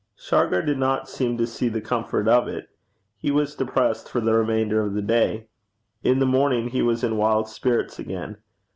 Shargar did not seem to see the comfort of it. He was depressed for the remainder of the day. In the morning he was in wild spirits again.